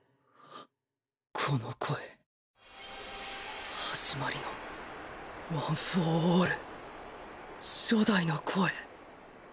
この声始まりのワン・フォー・オール初代の声。